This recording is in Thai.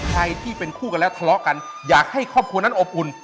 ใครที่เป็นคู่กันแล้วทะเลาะกันอยากให้ครอบครัวนั้นอบอุ่น